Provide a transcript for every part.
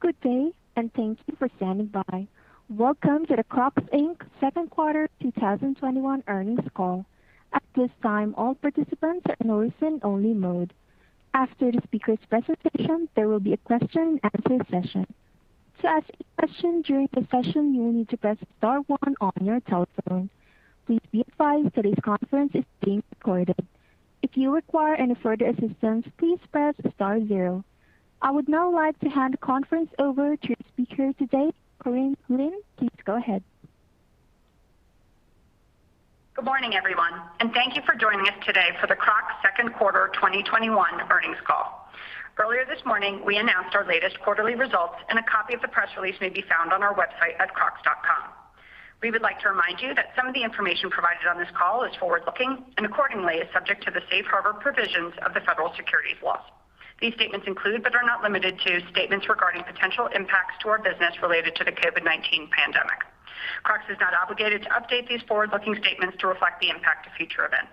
Good day, and thank you for standing by. Welcome to the Crocs, Inc. Q2 2021 Earnings Call. At this time, all participants are in listen-only mode. After the speaker's presentation, there will be a question-and-answer session. To ask questions during the session, you need to press star one on your telephone. Please be advised that this conference is being recorded. If you require any further assistance, please press star zero. I would now like to hand the conference over to the speaker today, Cori Lin. Please go ahead. Good morning, everyone, and thank you for joining us today for the Crocs Q2 2021 earnings call. Earlier this morning, we announced our latest quarterly results, and a copy of the press release may be found on our website at crocs.com. We would like to remind you that some of the information provided on this call is forward-looking and accordingly is subject to the safe harbor provisions of the federal securities laws. These statements include, but are not limited to, statements regarding potential impacts to our business related to the COVID-19 pandemic. Crocs is not obligated to update these forward-looking statements to reflect the impact of future events.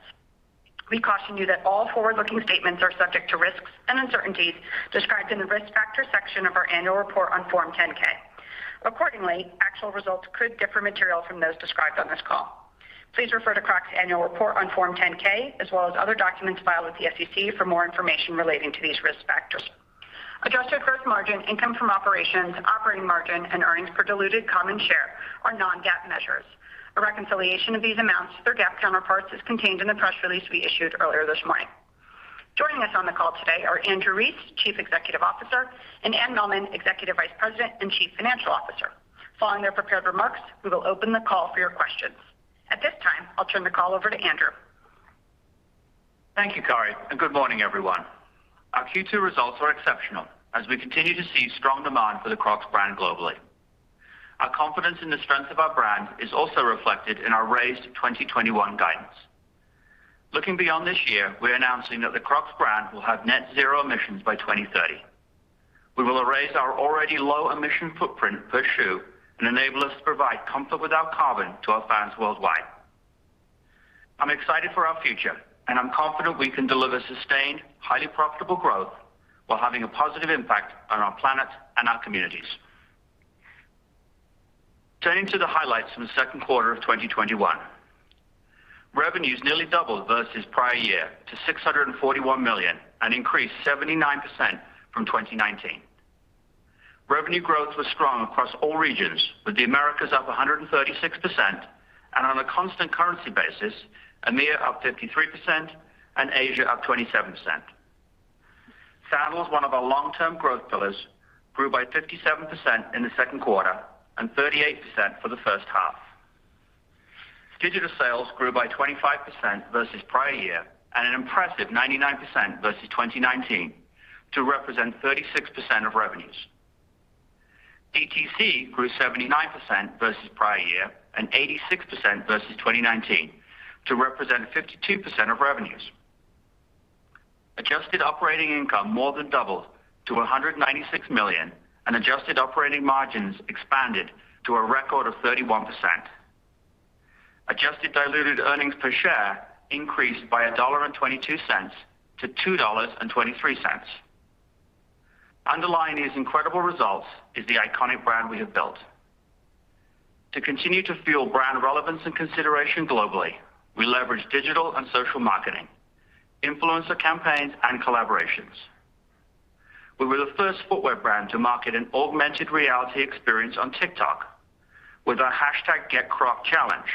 We caution you that all forward-looking statements are subject to risks and uncertainties described in the Risk Factors section of our annual report on Form 10-K. Accordingly, actual results could differ materially from those described on this call. Please refer to Crocs' Annual Report on Form 10-K as well as other documents filed with the SEC for more information relating to these risk factors. Adjusted gross margin, income from operations, operating margin, and earnings per diluted common share are non-GAAP measures. A reconciliation of these amounts to their GAAP counterparts is contained in the press release we issued earlier this morning. Joining us on the call today are Andrew Rees, Chief Executive Officer, and Anne Mehlman, Executive Vice President and Chief Financial Officer. Following their prepared remarks, we will open the call for your questions. At this time, I'll turn the call over to Andrew. Thank you, Cori, and good morning, everyone. Our Q2 results are exceptional as we continue to see strong demand for the Crocs brand globally. Our confidence in the strength of our brand is also reflected in our raised 2021 guidance. Looking beyond this year, we're announcing that the Crocs brand will have net zero emissions by 2030. We will erase our already low emission footprint per shoe and enable us to provide comfort without carbon to our fans worldwide. I'm excited for our future, and I'm confident we can deliver sustained, highly profitable growth while having a positive impact on our planet and our communities. Turning to the highlights from the Q2 of 2021. Revenues nearly doubled versus prior year to $641 million and increased 79% from 2019. Revenue growth was strong across all regions, with the Americas up 136% and on a constant currency basis, EMEA up 53% and Asia up 27%. Sandals, one of our long-term growth pillars, grew by 57% in the Q2 and 38% for the first half. Digital sales grew by 25% versus prior year and an impressive 99% versus 2019 to represent 36% of revenues. DTC grew 79% versus prior year and 86% versus 2019 to represent 52% of revenues. Adjusted operating income more than doubled to $196 million, and adjusted operating margins expanded to a record of 31%. Adjusted diluted earnings per share increased by $1.22 to $2.23. Underlying these incredible results is the iconic brand we have built. To continue to fuel brand relevance and consideration globally, we leverage digital and social marketing, influencer campaigns, and collaborations. We were the first footwear brand to market an augmented reality experience on TikTok with our #GetCrocs challenge,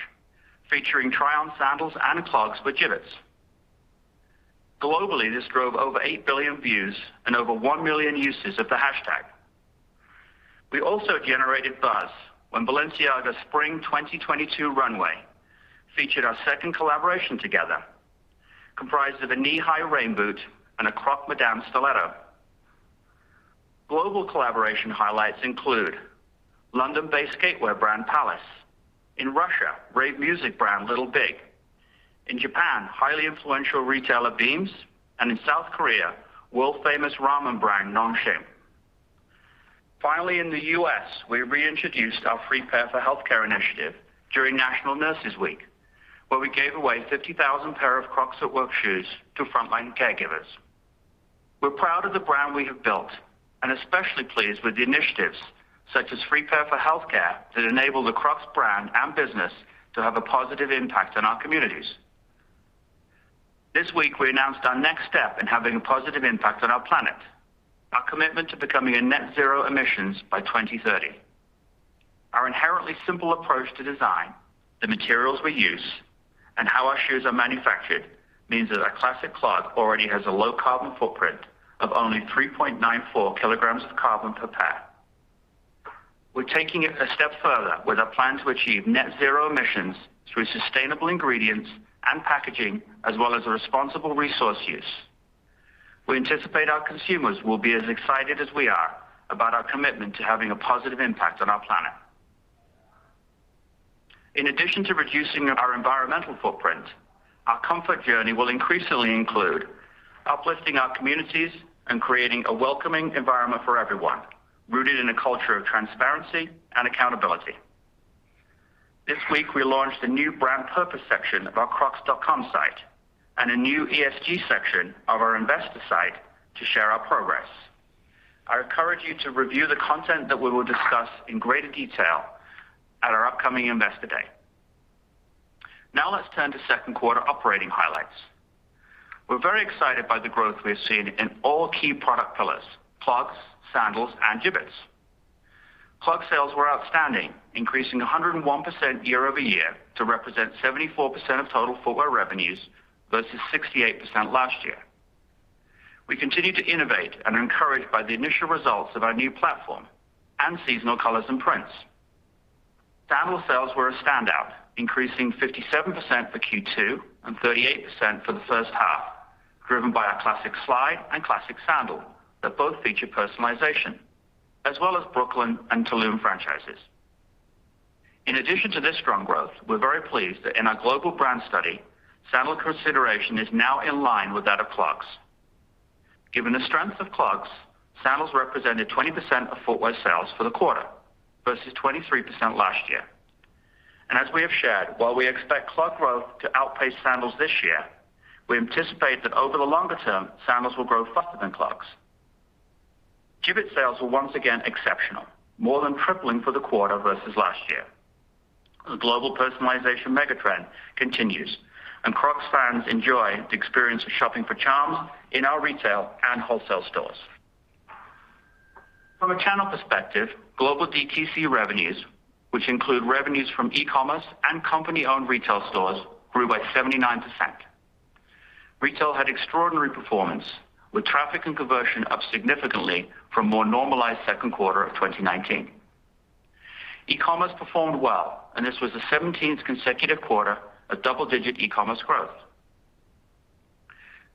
featuring try on sandals and clogs with Jibbitz. Globally, this drove over 8 billion views and over 1 million uses of the hashtag. We also generated buzz when Balenciaga Spring 2022 runway featured our second collaboration together, comprised of a knee-high rain boot and a Croc Madame stiletto. Global collaboration highlights include London-based skatewear brand Palace. In Russia, rave music brand Little Big. In Japan, highly influential retailer BEAMS, and in South Korea, world-famous ramen brand Nongshim. Finally, in the U.S., we reintroduced our Free Pair for Healthcare initiative during National Nurses Week, where we gave away 50,000 pair of Crocs at Work shoes to frontline caregivers. We're proud of the brand we have built and especially pleased with the initiatives such as Free Pair for Healthcare that enable the Crocs brand and business to have a positive impact on our communities. This week, we announced our next step in having a positive impact on our planet, our commitment to becoming a net zero emissions by 2030. Our inherently simple approach to design, the materials we use, and how our shoes are manufactured means that our Classic Clog already has a low carbon footprint of only 3.94 kg of carbon per pair. We're taking it a step further with our plan to achieve net zero emissions through sustainable ingredients and packaging as well as a responsible resource use. We anticipate our consumers will be as excited as we are about our commitment to having a positive impact on our planet. In addition to reducing our environmental footprint, our comfort journey will increasingly include uplifting our communities and creating a welcoming environment for everyone, rooted in a culture of transparency and accountability. We launched a new brand purpose section of our crocs.com site and a new ESG section of our investor site to share our progress. I encourage you to review the content that we will discuss in greater detail at our upcoming Investor Day. Let's turn to Q2 operating highlights. We're very excited by the growth we've seen in all key product pillars, clogs, sandals, and Jibbitz. Clog sales were outstanding, increasing 101% year-over-year to represent 74% of total footwear revenues versus 68% last year. We continue to innovate and are encouraged by the initial results of our new platform and seasonal colors and prints. Sandal sales were a standout, increasing 57% for Q2 and 38% for the first half, driven by our Classic Slide and Classic Sandal that both feature personalization, as well as Brooklyn and Tulum franchises. In addition to this strong growth, we're very pleased that in our global brand study, sandal consideration is now in line with that of clogs. Given the strength of clogs, sandals represented 20% of footwear sales for the quarter versus 23% last year. And as we have shared, while we expect clog growth to outpace sandals this year, we anticipate that over the longer term, sandals will grow faster than clogs. Jibbitz sales were once again exceptional, more than tripling for the quarter versus last year. The global personalization megatrend continues, and Crocs fans enjoy the experience of shopping for charms in our retail and wholesale stores. From a channel perspective, global DTC revenues, which include revenues from e-commerce and company-owned retail stores, grew by 79%. Retail had extraordinary performance with traffic and conversion up significantly from more normalized Q2 of 2019. E-commerce performed well, and this was the 17th consecutive quarter of double-digit e-commerce growth.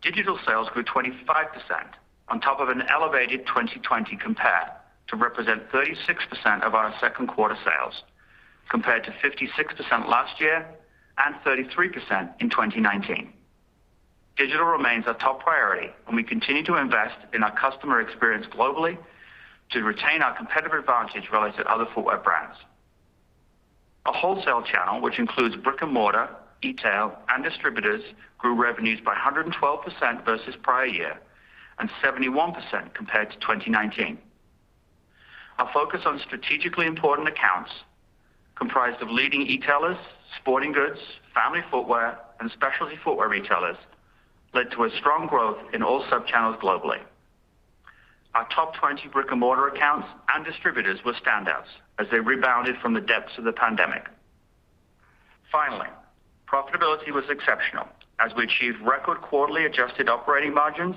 Digital sales grew 25% on top of an elevated 2020 compare to represent 36% of our Q2 sales, compared to 56% last year and 33% in 2019. Digital remains our top priority, and we continue to invest in our customer experience globally to retain our competitive advantage relative to other footwear brands. Our wholesale channel, which includes brick-and-mortar, e-tail, and distributors, grew revenues by 112% versus prior year, and 71% compared to 2019. Our focus on strategically important accounts comprised of leading e-tailers, sporting goods, family footwear, and specialty footwear retailers led to a strong growth in all sub-channels globally. Our top 20 brick-and-mortar accounts and distributors were standouts as they rebounded from the depths of the pandemic. Finally, profitability was exceptional as we achieved record quarterly adjusted operating margins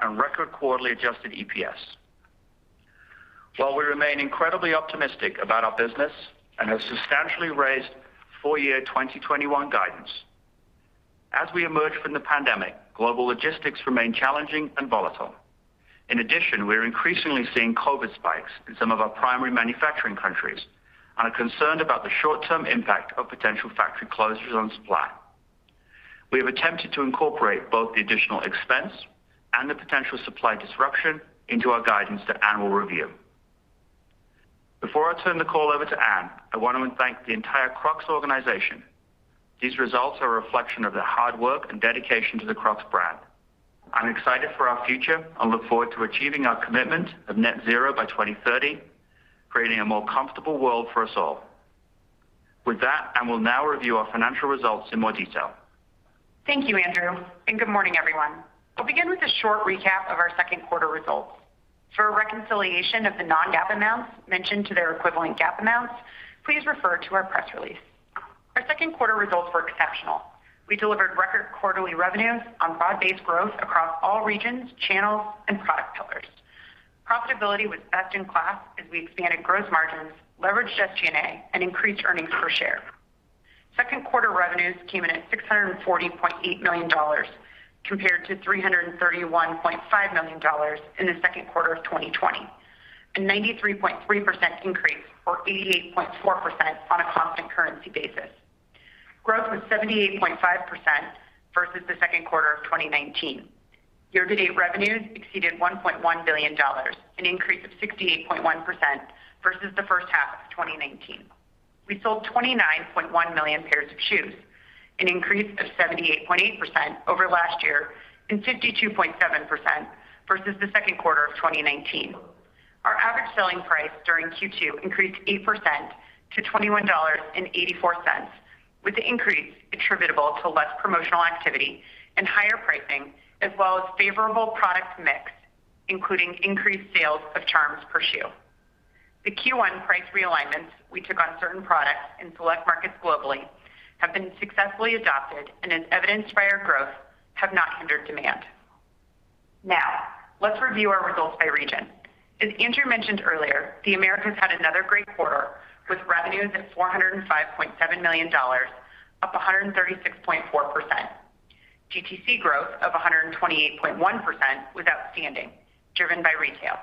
and record quarterly adjusted EPS. While we remain incredibly optimistic about our business and have substantially raised full-year 2021 guidance, as we emerge from the pandemic, global logistics remain challenging and volatile. In addition, we're increasingly seeing COVID spikes in some of our primary manufacturing countries and are concerned about the short-term impact of potential factory closures on supply. We have attempted to incorporate both the additional expense and the potential supply disruption into our guidance that Anne will review. Before I turn the call over to Anne, I want to thank the entire Crocs organization. These results are a reflection of the hard work and dedication to the Crocs brand. I'm excited for our future and look forward to achieving our commitment of net zero by 2030, creating a more comfortable world for us all. With that, Anne will now review our financial results in more detail. Thank you, Andrew. Good morning, everyone. I'll begin with a short recap of our Q2 results. For a reconciliation of the non-GAAP amounts mentioned to their equivalent GAAP amounts, please refer to our press release. Our Q2 results were exceptional. We delivered record quarterly revenues on broad-based growth across all regions, channels, and product pillars. Profitability was best-in-class as we expanded gross margins, leveraged SG&A, and increased earnings per share. Q2 revenues came in at $640.8 million compared to $331.5 million in the Q2 of 2020, a 93.3% increase or 88.4% on a constant currency basis. Growth was 78.5% versus the Q2 of 2019. Year-to-date revenues exceeded $1.1 billion, an increase of 68.1% versus the first half of 2019. We sold 29.1 million pairs of shoes, an increase of 78.8% over last year and 52.7% versus the Q2 of 2019. Our average selling price during Q2 increased 8% to $21.84, with the increase attributable to less promotional activity and higher pricing, as well as favorable product mix, including increased sales of Jibbitz per shoe. The Q1 price realignments we took on certain products in select markets globally have been successfully adopted and as evidenced by our growth, have not hindered demand. Now, let's review our results by region. As Andrew mentioned earlier, the Americas had another great quarter with revenues of $405.7 million, up 136.4%. DTC growth of 128.1% was outstanding, driven by retail.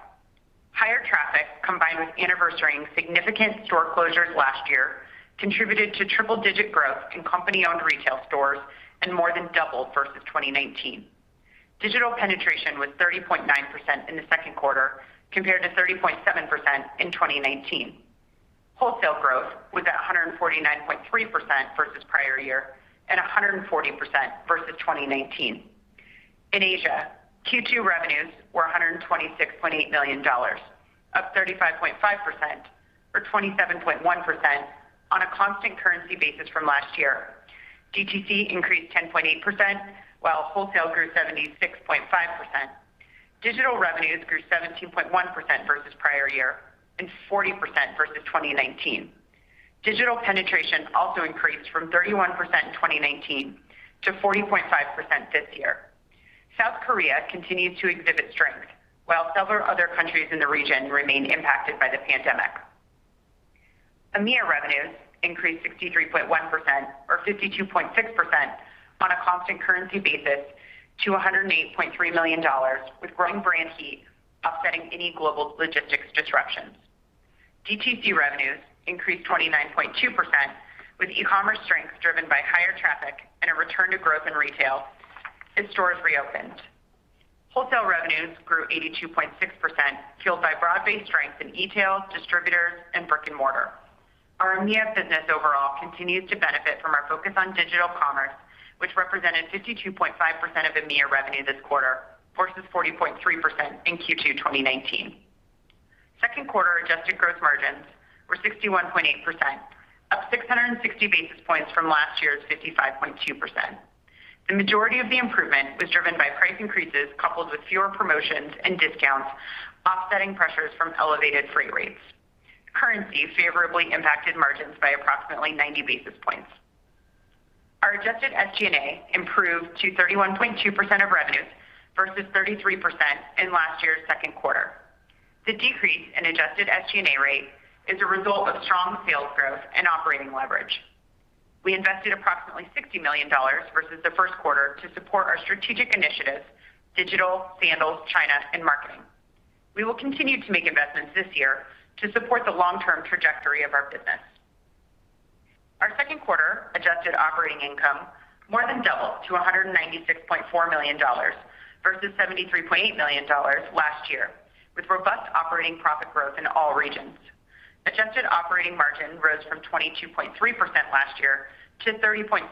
Higher traffic combined with anniversarying significant store closures last year contributed to triple-digit growth in company-owned retail stores and more than doubled versus 2019. Digital penetration was 30.9% in the Q2 compared to 30.7% in 2019. Wholesale growth was at 149.3% versus prior year and 140% versus 2019. In Asia, Q2 revenues were $126.8 million, up 35.5% or 27.1% on a constant currency basis from last year. DTC increased 10.8%, while wholesale grew 76.5%. Digital revenues grew 17.1% versus prior year and 40% versus 2019. Digital penetration also increased from 31% in 2019 to 40.5% this year. South Korea continues to exhibit strength, while several other countries in the region remain impacted by the pandemic. EMEA revenues increased 63.1% or 52.6% on a constant currency basis to $108.3 million with growing brand heat offsetting any global logistics disruptions. DTC revenues increased 29.2% with e-commerce strengths driven by higher traffic and a return to growth in retail as stores reopened. Wholesale revenues grew 82.6%, fueled by broad-based strength in e-tail, distributors, and brick-and-mortar. Our EMEA business overall continues to benefit from our focus on digital commerce, which represented 52.5% of EMEA revenue this quarter versus 40.3% in Q2 2019. Q2 adjusted gross margins were 61.8%, up 660 basis points from last year's 55.2%. The majority of the improvement was driven by price increases coupled with fewer promotions and discounts offsetting pressures from elevated freight rates. Currency favorably impacted margins by approximately 90 basis points. Our adjusted SG&A improved to 31.2% of revenues versus 33% in last year's Q2. The decrease in adjusted SG&A rate is a result of strong sales growth and operating leverage. We invested approximately $60 million versus the Q1 to support our strategic initiatives, digital, sandals, China, and marketing. We will continue to make investments this year to support the long-term trajectory of our business. Our Q2 adjusted operating income more than doubled to $196.4 million versus $73.8 million last year, with robust operating profit growth in all regions. Adjusted operating margin rose from 22.3% last year to 30.7%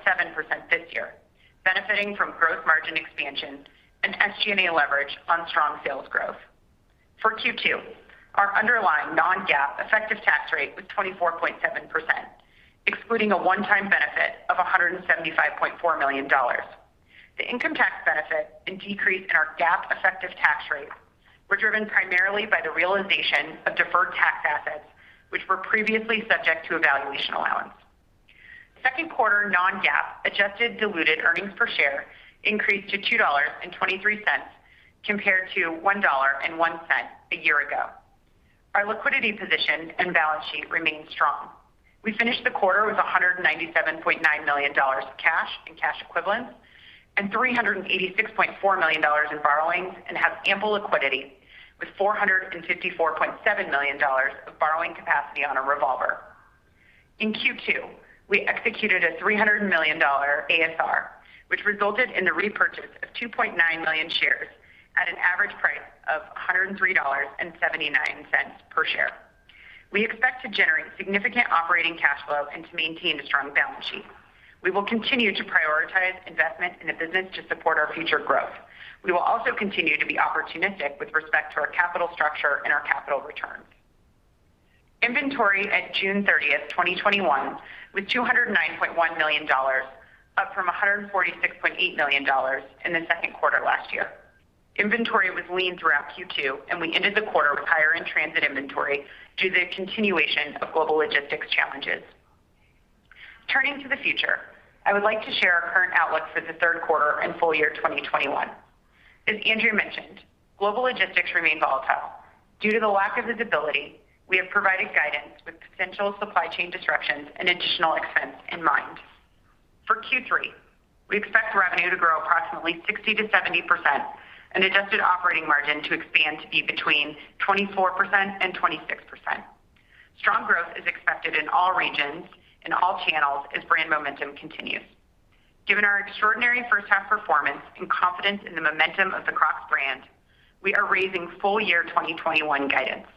this year, benefiting from gross margin expansion and SG&A leverage on strong sales growth. For Q2, our underlying non-GAAP effective tax rate was 24.7%, excluding a one-time benefit of $175.4 million. The income tax benefit and decrease in our GAAP effective tax rate were driven primarily by the realization of deferred tax assets, which were previously subject to a valuation allowance. Q2 non-GAAP adjusted diluted earnings per share increased to $2.23 compared to $1.01 a year ago. Our liquidity position and balance sheet remain strong. We finished the quarter with $197.9 million of cash and cash equivalents and $386.4 million in borrowings and have ample liquidity with $454.7 million of borrowing capacity on a revolver. In Q2, we executed a $300 million ASR, which resulted in the repurchase of 2.9 million shares at an average price of $103.79 per share. We expect to generate significant operating cash flow and to maintain a strong balance sheet. We will continue to prioritize investment in the business to support our future growth. We will also continue to be opportunistic with respect to our capital structure and our capital returns. Inventory at June 30th, 2021, was $209.1 million, up from $146.8 million in the Q2 last year. Inventory was lean throughout Q2, and we ended the quarter with higher in-transit inventory due to the continuation of global logistics challenges. Turning to the future, I would like to share our current outlook for the Q3 and full year 2021. As Andrew mentioned, global logistics remain volatile. Due to the lack of visibility, we have provided guidance with potential supply chain disruptions and additional expense in mind. For Q3, we expect revenue to grow approximately 60%-70% and adjusted operating margin to expand to be between 24% and 26%. Strong growth is expected in all regions, in all channels as brand momentum continues. Given our extraordinary first half performance and confidence in the momentum of the Crocs brand, we are raising full year 2021 guidance.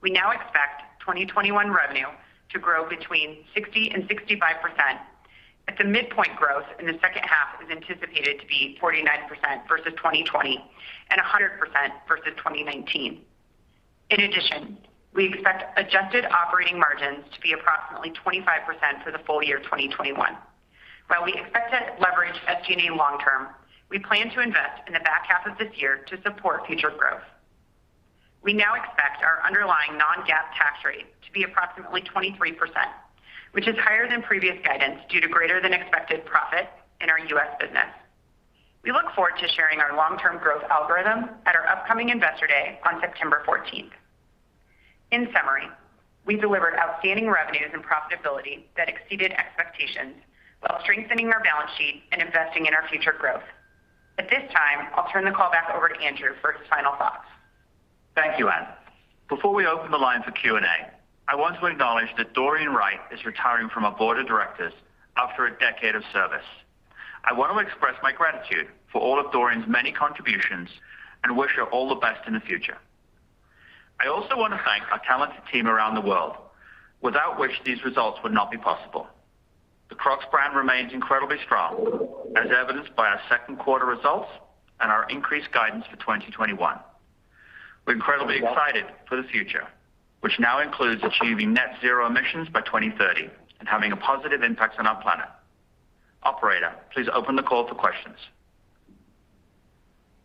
We now expect 2021 revenue to grow between 60% and 65%, at the midpoint growth in the second half is anticipated to be 49% versus 2020 and 100% versus 2019. In addition, we expect adjusted operating margins to be approximately 25% for the full year 2021. While we expect to leverage SG&A long term, we plan to invest in the back half of this year to support future growth. We now expect our underlying non-GAAP tax rate to be approximately 23%, which is higher than previous guidance due to greater than expected profits in our U.S. business. We look forward to sharing our long-term growth algorithm at our upcoming Investor Day on September 14th. In summary, we delivered outstanding revenues and profitability that exceeded expectations while strengthening our balance sheet and investing in our future growth. At this time, I'll turn the call back over to Andrew for his final thoughts. Thank you, Anne. Before we open the line for Q&A, I want to acknowledge that Doreen Wright is retiring from our board of directors after a decade of service. I want to express my gratitude for all of Doreen's many contributions and wish her all the best in the future. I also want to thank our talented team around the world, without which these results would not be possible. The Crocs brand remains incredibly strong, as evidenced by our Q2 results and our increased guidance for 2021. We're incredibly excited for the future, which now includes achieving net zero emissions by 2030 and having a positive impact on our planet. Operator, please open the call for questions.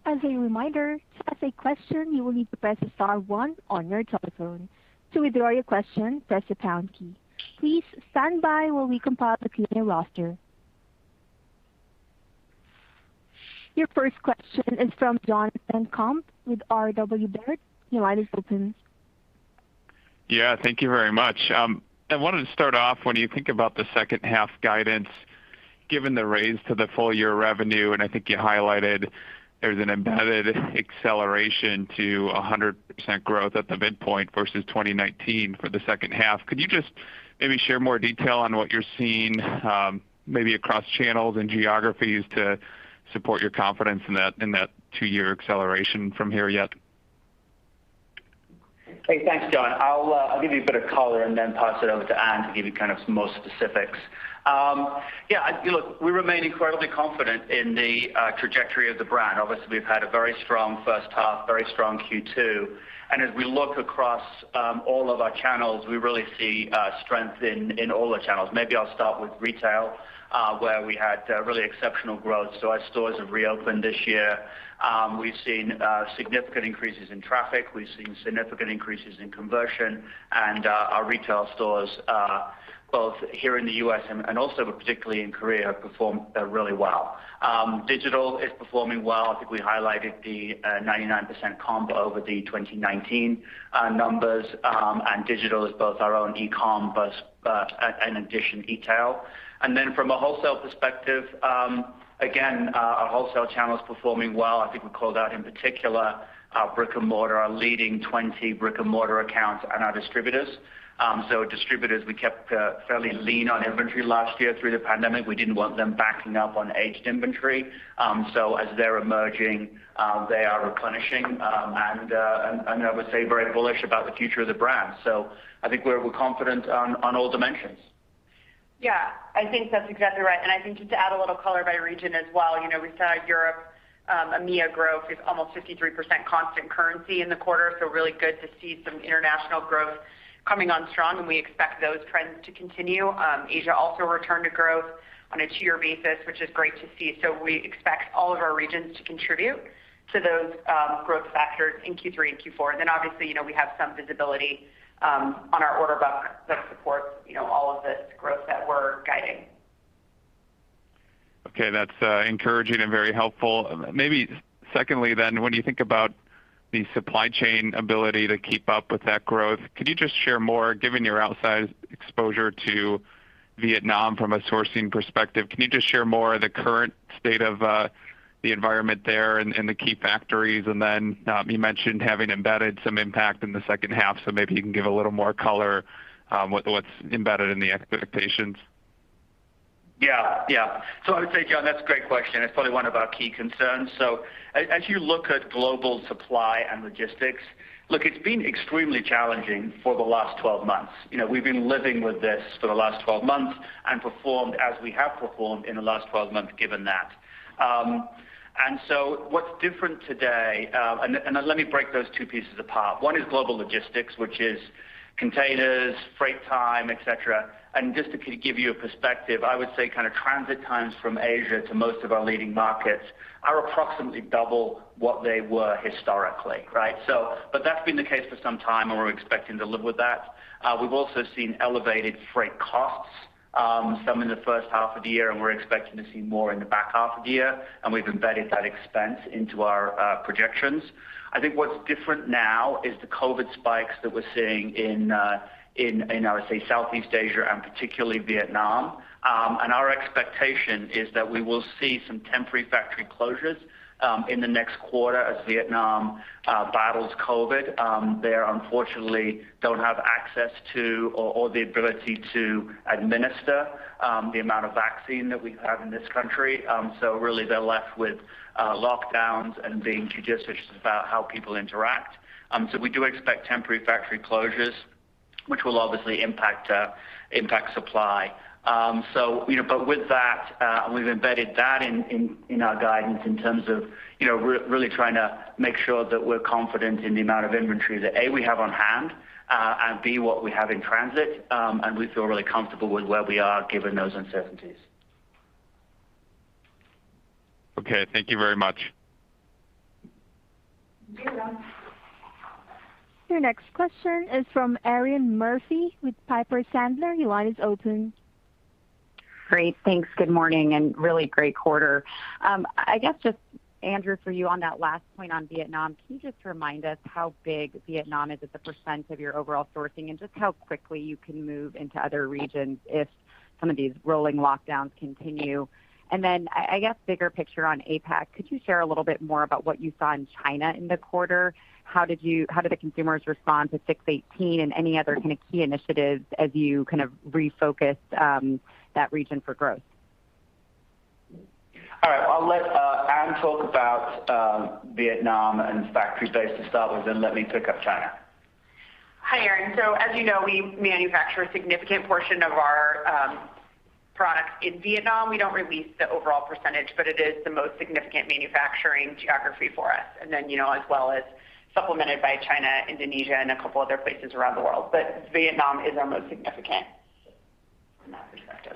As a reminder, to ask a question, you will need to press the star one on your telephone. To withdraw your question, press the pound key. Please stand by while we compile the Q&A roster. Your first question is from Jonathan Komp with RW Baird. Yeah, thank you very much. I wanted to start off, when you think about the second half guidance, given the raise to the full-year revenue, and I think you highlighted there's an embedded acceleration to 100% growth at the midpoint versus 2019 for the second half. Could you just maybe share more detail on what you're seeing, maybe across channels and geographies to support your confidence in that two-year acceleration from here yet? Hey, thanks, John. I'll give you a bit of color and then pass it over to Anne to give you more specifics. Look, we remain incredibly confident in the trajectory of the brand. Obviously, we've had a very strong first half, very strong Q2, and as we look across all of our channels, we really see strength in all the channels. Maybe I'll start with retail, where we had really exceptional growth. Our stores have reopened this year. We've seen significant increases in traffic. We've seen significant increases in conversion, and our retail stores, both here in the U.S. and also particularly in Korea, have performed really well. Digital is performing well. I think we highlighted the 99% comp over the 2019 numbers, and digital is both our own e-com, but in addition, e-tail. From a wholesale perspective, again, our wholesale channel is performing well. I think we called out, in particular, our brick-and-mortar, our leading 20 brick-and-mortar accounts and our distributors. Distributors, we kept fairly lean on inventory last year through the pandemic. We didn't want them backing up on aged inventory. As they're emerging, they are replenishing, and I would say very bullish about the future of the brand. I think we're confident on all dimensions. Yeah, I think that's exactly right. I think just to add a little color by region as well. We saw Europe, EMEA growth is almost 53% constant currency in the quarter. Really good to see some international growth coming on strong, and we expect those trends to continue. Asia also returned to growth on a two-year basis, which is great to see. We expect all of our regions to contribute to those growth factors in Q3 and Q4. Obviously, we have some visibility on our order book that supports all of this growth that we're guiding. Okay, that's encouraging and very helpful. Maybe secondly, when you think about the supply chain ability to keep up with that growth, could you just share more, given your outsized exposure to Vietnam from a sourcing perspective, can you just share more of the current state of the environment there and the key factories? You mentioned having embedded some impact in the second half, so maybe you can give a little more color what's embedded in the expectations. Yeah. I would say, John, that's a great question. As you look at global supply and logistics, look, it's been extremely challenging for the last 12 months. We've been living with this for the last 12 months and performed as we have performed in the last 12 months, given that. What's different today, and let me break those two pieces apart. One is global logistics, which is containers, freight time, et cetera. Just to give you a perspective, I would say transit times from Asia to most of our leading markets are approximately double what they were historically. Right? That's been the case for some time, and we're expecting to live with that. We've also seen elevated freight costs, some in the first half of the year, and we're expecting to see more in the back half of the year, and we've embedded that expense into our projections. I think what's different now is the COVID spikes that we're seeing in, I would say, Southeast Asia and particularly Vietnam. Our expectation is that we will see some temporary factory closures in the next quarter as Vietnam battles COVID. They, unfortunately, don't have access to or the ability to administer the amount of vaccine that we have in this country. Really, they're left with lockdowns and being judicious about how people interact. We do expect temporary factory closures, which will obviously impact supply. With that, we've embedded that in our guidance in terms of really trying to make sure that we're confident in the amount of inventory that, A, we have on hand, and B, what we have in transit, and we feel really comfortable with where we are given those uncertainties. Okay. Thank you very much. Your next question is from Erinn Murphy with Piper Sandler. Your line is open. Great. Thanks. Good morning, really great quarter. I guess just, Andrew, for you on that last point on Vietnam, can you just remind us how big Vietnam is as a percent of your overall sourcing and just how quickly you can move into other regions if some of these rolling lockdowns continue? I guess bigger picture on APAC, could you share a little more about what you saw in China in the quarter? How did the consumers respond to 618 and any other kind of key initiatives as you kind of refocused that region for growth? All right. I'll let Anne talk about Vietnam and factory base to start with, then let me pick up China. Hi, Erinn. As you know, we manufacture a significant portion of our products in Vietnam. We don't release the overall percentage, but it is the most significant manufacturing geography for us. Then as well as supplemented by China, Indonesia, and a couple other places around the world. Vietnam is our most significant.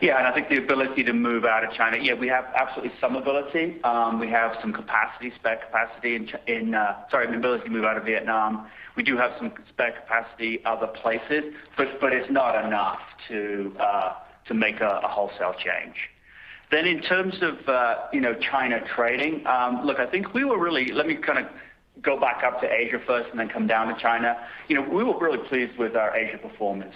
I think the ability to move out of China, yeah, we have absolutely some ability. We have some spare capacity in the ability to move out of Vietnam. We do have some spare capacity other places, but it's not enough to make a wholesale change. In terms of China trading, look, I think we were really, let me kind of go back up to Asia first and then come down to China. We were really pleased with our Asia performance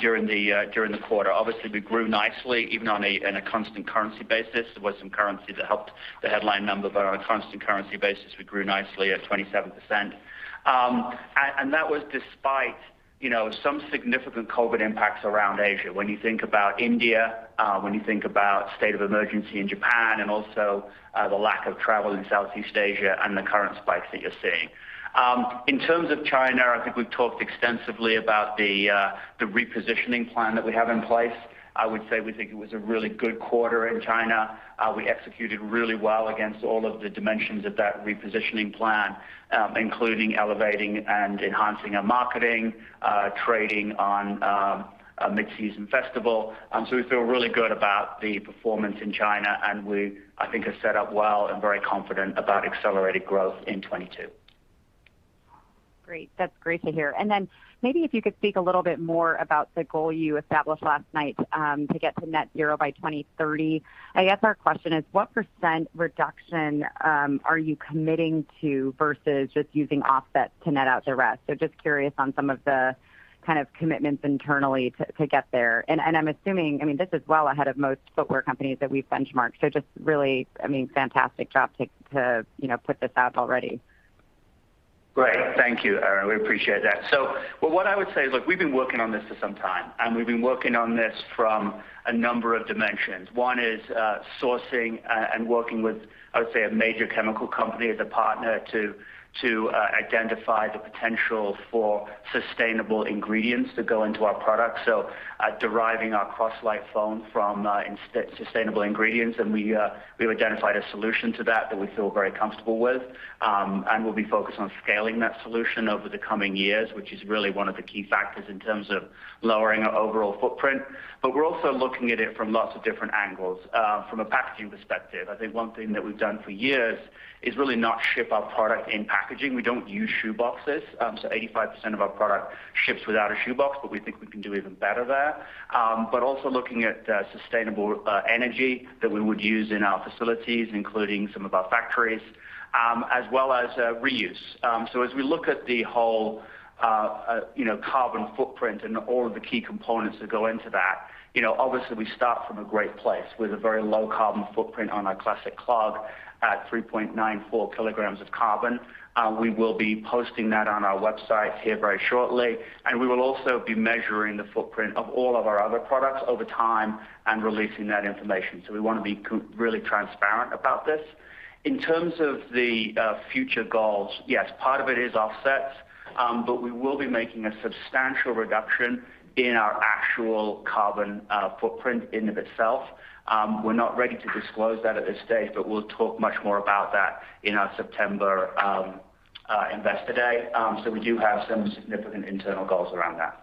during the quarter. Obviously, we grew nicely even in a constant currency basis. There was some currency that helped the headline number, but on a constant currency basis, we grew nicely at 27%. That was despite some significant COVID impacts around Asia. When you think about India, when you think about state of emergency in Japan, and also the lack of travel in Southeast Asia and the current spikes that you're seeing. In terms of China, I think we've talked extensively about the repositioning plan that we have in place. I would say we think it was a really good quarter in China. We executed really well against all of the dimensions of that repositioning plan, including elevating and enhancing our marketing, trading on mid-season festival. We feel really good about the performance in China, and we, I think, are set up well and very confident about accelerated growth in 2022. Great. That's great to hear. Then maybe if you could speak a little bit more about the goal you established last night to get to net zero by 2030. I guess our question is what percent reduction are you committing to versus just using offsets to net out the rest? Just curious on some of the kind of commitments internally to get there. I'm assuming, this is well ahead of most footwear companies that we benchmark, so just really fantastic job to put this out already. Great. Thank you, Erinn. We appreciate that. What I would say is we've been working on this for some time, and we've been working on this from a number of dimensions. One is sourcing and working with, I would say, a major chemical company as a partner to identify the potential for sustainable ingredients to go into our products. Deriving our Croslite foam from sustainable ingredients, and we've identified a solution to that we feel very comfortable with. We'll be focused on scaling that solution over the coming years, which is really one of the key factors in terms of lowering our overall footprint. We're also looking at it from lots of different angles. From a packaging perspective, I think one thing that we've done for years is really not ship our product in packaging. We don't use shoe boxes, so 85% of our product ships without a shoe box. We think we can do even better there. Also looking at sustainable energy that we would use in our facilities, including some of our factories, as well as reuse. As we look at the whole carbon footprint and all of the key components that go into that, obviously we start from a great place with a very low carbon footprint on our Classic Clog at 3.94 kg of carbon. We will be posting that on our website here very shortly, and we will also be measuring the footprint of all of our other products over time and releasing that information. We want to be really transparent about this. In terms of the future goals, yes, part of it is offsets, but we will be making a substantial reduction in our actual carbon footprint in and of itself. We're not ready to disclose that at this stage, but we'll talk much more about that in our September Investor Day. We do have some significant internal goals around that.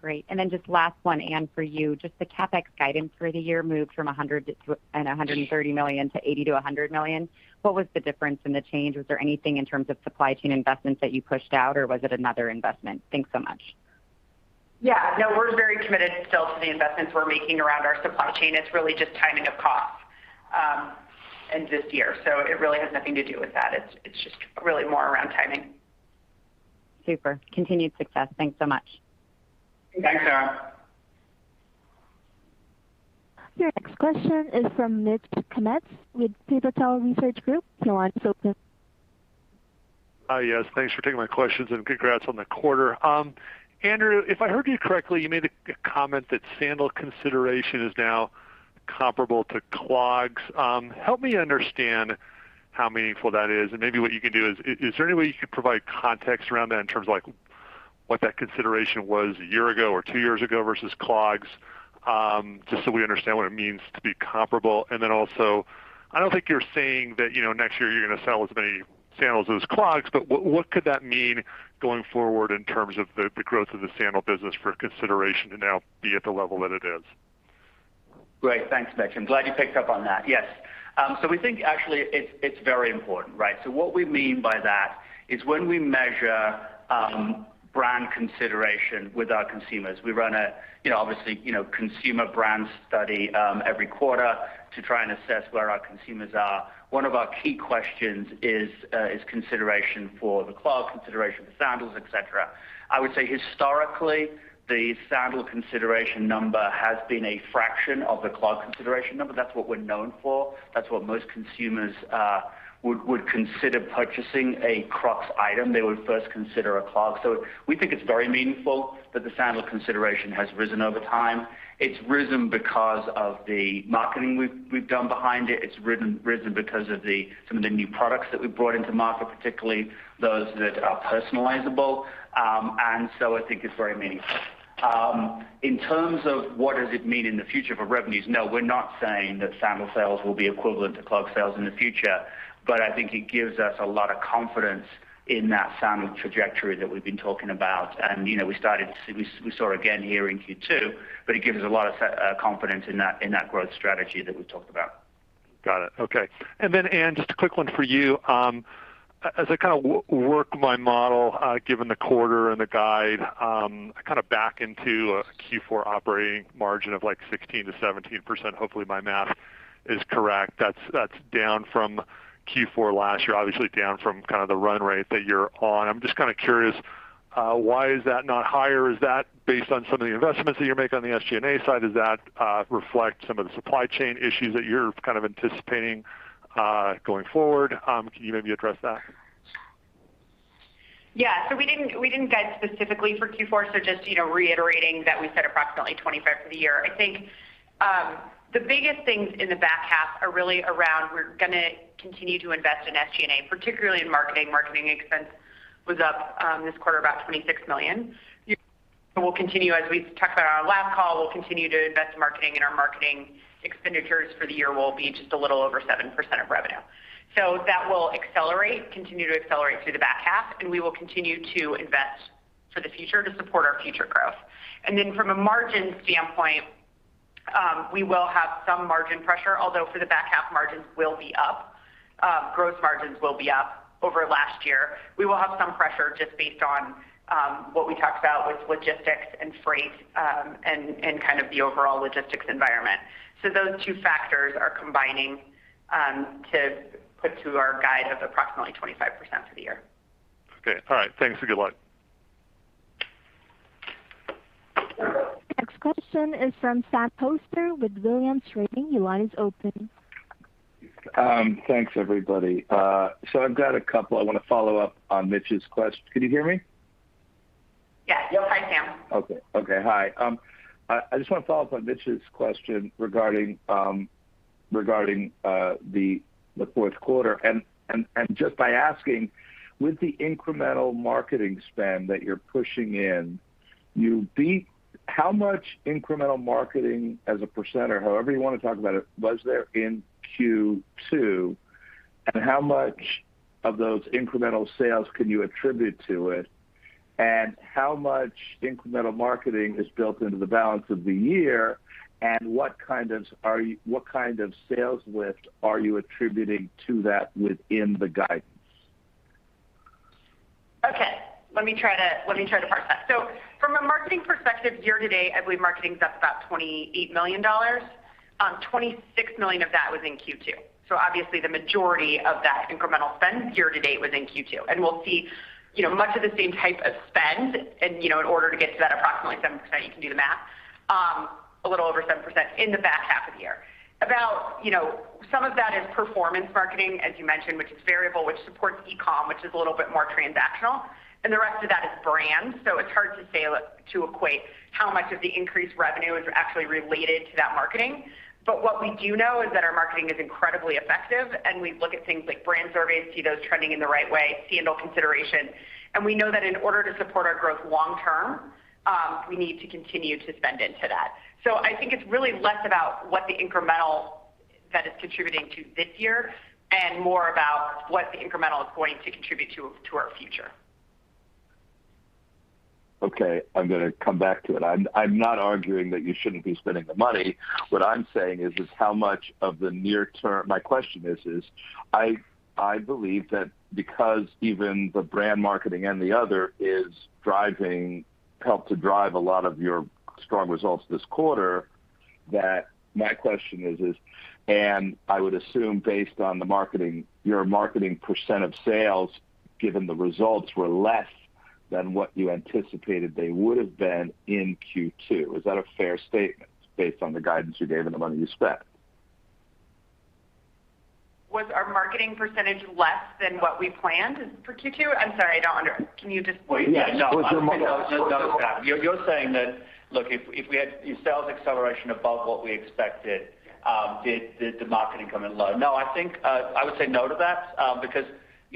Great. Just last one, Anne, for you. Just the CapEx guidance for the year moved from $100 million and $130 million to $80 million-$100 million. What was the difference in the change? Was there anything in terms of supply chain investments that you pushed out, or was it another investment? Thanks so much. Yeah, no, we're very committed still to the investments we're making around our supply chain. It's really just timing of costs in this year. It really has nothing to do with that. It's just really more around timing. Super. Continued success. Thanks so much. Thanks, Erinn. Your next question is from Mitch Kummetz with Pivotal Research Group. Your line is open. Hi. Yes. Thanks for taking my questions. Congrats on the quarter. Andrew, if I heard you correctly, you made a comment that sandal consideration is now comparable to clogs. Help me understand how meaningful that is. Maybe what you can do is there any way you could provide context around that in terms of what that consideration was a year ago or two years ago versus clogs? We understand what it means to be comparable. I don't think you're saying that next year you're going to sell as many sandals as clogs. What could that mean going forward in terms of the growth of the sandal business for consideration to now be at the level that it is? Great. Thanks, Mitch. I'm glad you picked up on that. Yes. We think actually it's very important, right? What we mean by that is when we measure brand consideration with our consumers, we run a, obviously, consumer brand study every quarter to try and assess where our consumers are. One of our key questions is consideration for the clog, consideration for sandals, et cetera. I would say historically, the sandal consideration number has been a fraction of the clog consideration number. That's what we're known for. That's what most consumers would consider purchasing a Crocs item. They would first consider a clog. We think it's very meaningful that the sandal consideration has risen over time. It's risen because of the marketing we've done behind it. It's risen because of some of the new products that we've brought into market, particularly those that are personalizable. I think it's very meaningful. In terms of what does it mean in the future for revenues, no, we're not saying that sandal sales will be equivalent to clog sales in the future. I think it gives us a lot of confidence in that sandal trajectory that we've been talking about. We saw again here in Q2, but it gives us a lot of confidence in that growth strategy that we talked about. Got it. Okay. Then Anne, just a quick one for you. As I kind of work my model given the quarter and the guide, I kind of back into a Q4 operating margin of 16%-17%. Hopefully, my math is correct. That's down from Q4 last year, obviously down from kind of the run rate that you're on. I'm just kind of curious, why is that not higher? Is that based on some of the investments that you're making on the SG&A side? Does that reflect some of the supply chain issues that you're kind of anticipating going forward? Can you maybe address that? Yeah. We didn't guide specifically for Q4, just reiterating that we said approximately 25% for the year. I think the biggest things in the back half are really around, we're going to continue to invest in SG&A, particularly in marketing. Marketing expense was up this quarter about $26 million. We'll continue, as we talked about on our last call, we'll continue to invest in marketing, and our marketing expenditures for the year will be just a little over 7% of revenue. That will accelerate, continue to accelerate through the back half, and we will continue to invest for the future to support our future growth. From a margin standpoint, we will have some margin pressure, although for the back half, margins will be up. Gross margins will be up over last year. We will have some pressure just based on what we talked about with logistics and freight, and kind of the overall logistics environment. Those two factors are combining to put to our guide of approximately 25% for the year. Okay. All right. Thanks, and good luck. Next question is from Sam Poser with Williams Trading. Your line is open. Thanks, everybody. I've got a couple. I want to follow-up on Mitch's question. Can you hear me? Yeah. Yes, I can. Okay. Okay, hi. I just want to follow-up on Mitch's question regarding the Q4. Just by asking, with the incremental marketing spend that you're pushing in, how much incremental marketing as a percent or however you want to talk about it, was there in Q2, and how much of those incremental sales can you attribute to it? How much incremental marketing is built into the balance of the year, and what kind of sales lift are you attributing to that within the guidance? Okay. Let me try to parse that. From a marketing perspective, year-to-date, I believe marketing's up about $28 million. $26 million of that was in Q2. Obviously the majority of that incremental spend year-to-date was in Q2, and we'll see much of the same type of spend in order to get to that approximately 7%, you can do the math, a little over 7% in the back half of the year. Some of that is performance marketing, as you mentioned, which is variable, which supports e-com, which is a little bit more transactional. The rest of that is brand. It's hard to equate how much of the increased revenue is actually related to that marketing. What we do know is that our marketing is incredibly effective, and we look at things like brand surveys, see those trending in the right way, sandal consideration. We know that in order to support our growth long term, we need to continue to spend into that. I think it's really less about what the incremental is contributing to this year and more about what the incremental is going to contribute to our future. I'm going to come back to it. I'm not arguing that you shouldn't be spending the money. What I'm saying is just how much of the near term, my question is, I believe that because even the brand marketing and the other helped to drive a lot of your strong results this quarter, that my question is, I would assume based on your marketing percent of sales, given the results were less than what you anticipated they would've been in Q2. Is that a fair statement based on the guidance you gave and the money you spent? Was our marketing percentage less than what we planned for Q2? I'm sorry. No. You're saying that, look, if we had sales acceleration above what we expected, did the marketing come in low? No. I would say no to that because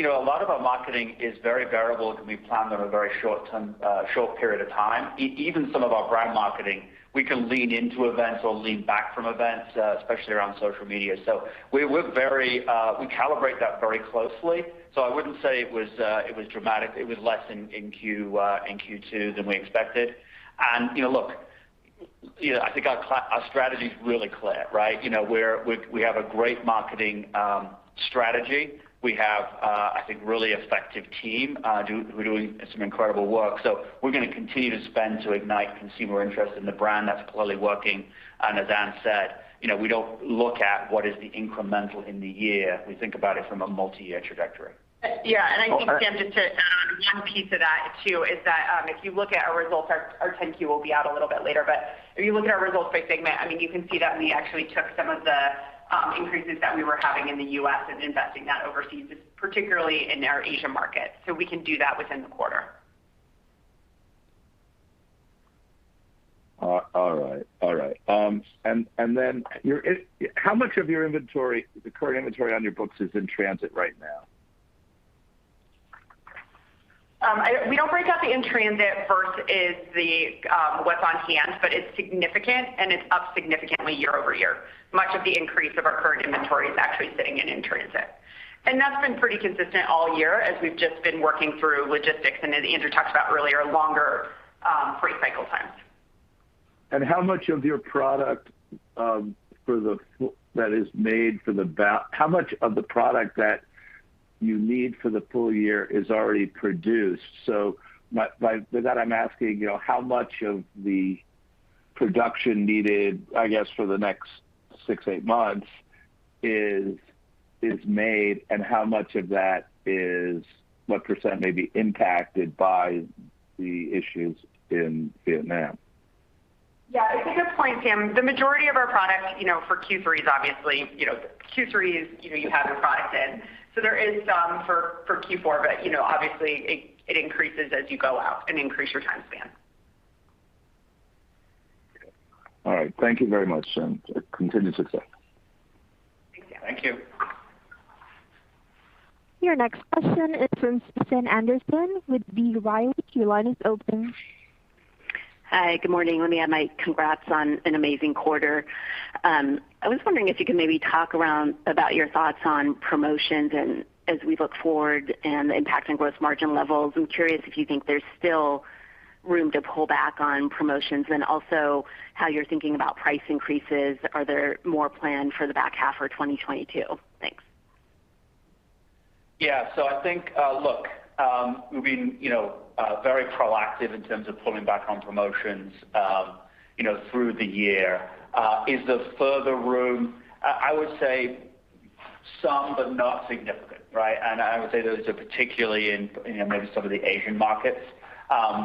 a lot of our marketing is very variable. It can be planned on a very short period of time. Even some of our brand marketing, we can lean into events or lean back from events, especially around social media. We calibrate that very closely. I wouldn't say it was dramatic, it was less in Q2 than we expected. Look, I think our strategy is really clear, right. We have a great marketing strategy. We have, I think, a really effective team who are doing some incredible work. We're going to continue to spend to ignite consumer interest in the brand. That's clearly working. As Anne said, we don't look at what is the incremental in the year. We think about it from a multi-year trajectory. Yeah. I think, Sam, just to add on one piece to that too, is that if you look at our results, our 10-Q will be out a little bit later. If you look at our results by segment, you can see that we actually took some of the increases that we were having in the U.S. and investing that overseas, particularly in our Asia market. We can do that within the quarter. All right. How much of your current inventory on your books is in transit right now? We don't break out the in-transit versus what's on-hand, but it's significant, and it's up significantly year-over-year. Much of the increase of our current inventory is actually sitting in in-transit. That's been pretty consistent all year as we've just been working through logistics and as Andrew talked about earlier, longer freight cycle times. How much of the product that you need for the full year is already produced? By that I'm asking, how much of the production needed, I guess, for the next six, eight months is made, and how much of that is, what percent may be impacted by the issues in Vietnam? Yeah, it's a good point, Sam. The majority of our product for Q3 is obviously Q3 is, you have your product in. There is some for Q4, but obviously, it increases as you go out and increase your time span. All right. Thank you very much, and continued success. Thank you. Your next question is from Susan Anderson with B. Riley. Your line is open. Hi, good morning. Let me add my congrats on an amazing quarter. I was wondering if you could maybe talk around about your thoughts on promotions and as we look forward and the impact on gross margin levels. I'm curious if you think there's still room to pull back on promotions and also how you're thinking about price increases. Are there more planned for the back half or 2022? Thanks. Yeah. I think, look, we've been very proactive in terms of pulling back on promotions through the year. Is there further room? I would say some, but not significant, right? I would say those are particularly in maybe some of the Asian markets.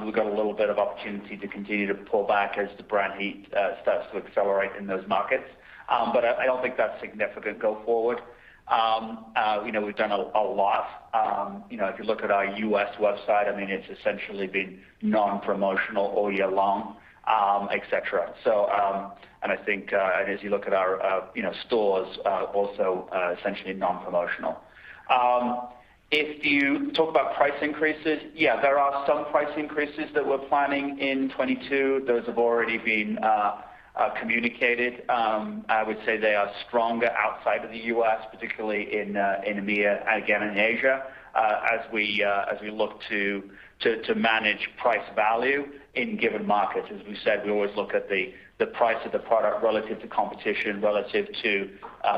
We've got a little bit of opportunity to continue to pull back as the brand heat starts to accelerate in those markets. I don't think that's significant go forward. We've done a lot. If you look at our U.S. website, it's essentially been non-promotional all year long, et cetera. I think as you look at our stores, also essentially non-promotional. If you talk about price increases, yeah, there are some price increases that we're planning in 2022. Those have already been communicated. I would say they are stronger outside of the U.S., particularly in EMEA and again in Asia, as we look to manage price value in given markets. As we said, we always look at the price of the product relative to competition, relative to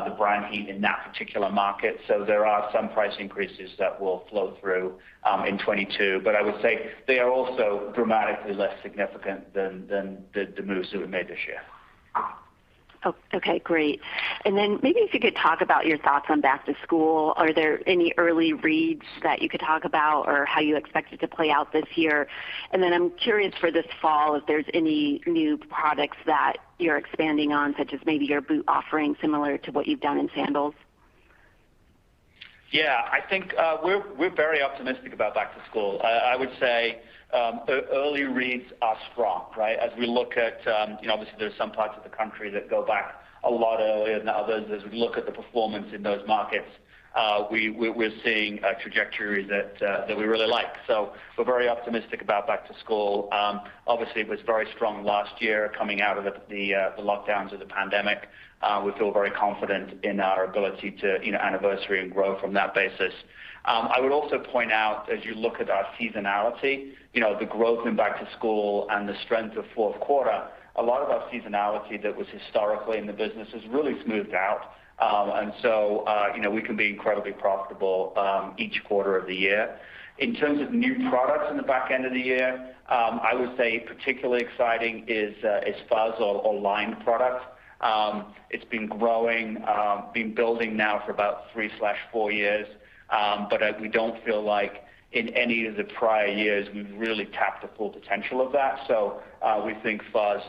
the brand heat in that particular market. There are some price increases that will flow through in 2022. I would say they are also dramatically less significant than the moves that we made this year. Oh, okay. Great. Maybe if you could talk about your thoughts on back to school. Are there any early reads that you could talk about or how you expect it to play out this year? I'm curious for this fall, if there's any new products that you're expanding on, such as maybe your boot offering similar to what you've done in sandals? Yeah, I think we're very optimistic about back to school. I would say early reads are strong, right? Obviously, there's some parts of the country that go back a lot earlier than others. As we look at the performance in those markets, we're seeing a trajectory that we really like. We're very optimistic about back to school. Obviously, it was very strong last year coming out of the lockdowns of the pandemic. We feel very confident in our ability to anniversary and grow from that basis. I would also point out as you look at our seasonality, the growth in back to school and the strength of Q4, a lot of our seasonality that was historically in the business has really smoothed out. We can be incredibly profitable each quarter of the year. In terms of new products in the back end of the year, I would say particularly exciting is fuzz or lined product. It's been growing, been building now for about three/four years. We don't feel like in any of the prior years, we've really tapped the full potential of that. We think fuzz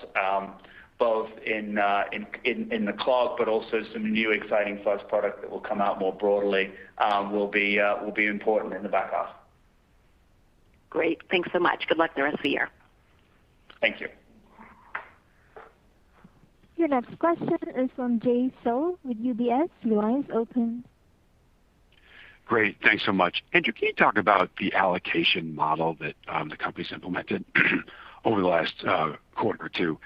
both in the clog, but also some new exciting fuzz product that will come out more broadly will be important in the back half. Great. Thanks so much. Good luck the rest of the year. Thank you. Your next question is from Jay Sole with UBS. Your line is open. Great. Thanks so much. Andrew, can you talk about the allocation model that the company's implemented over the last quarter or two?